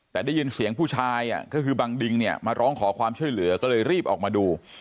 แต่ได้ยินเสียงผู้ชายก็คือบังดิงเนี่ยมาร้องขอความช่วยเหลือก็เลยรีบออกมาดู